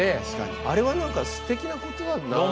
あれは何かすてきなことなんだなって。